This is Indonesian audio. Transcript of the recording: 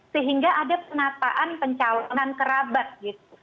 sehingga ada penataan pencalonan kerabat gitu